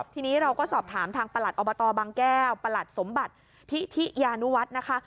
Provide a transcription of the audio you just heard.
ทีนี้เราก็สอบถามทางประหลัดอบตบางแก้วประหลัดสมบัติพิธิยานุวัฒน์นะคะ